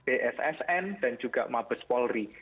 bssn dan juga mabes polri